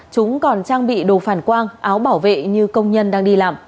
chúng còn trang bị đồ phản quang áo bảo vệ như công nhân đang đi làm